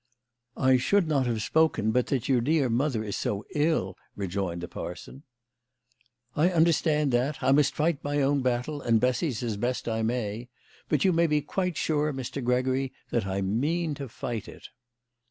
"I should not have spoken, but that your dear mother is so ill," rejoined the parson. " I understand that. I must fight my own battle and Bessy's as best I may. But you may be quite sure, Mr. Gregory, that I mean to fight it."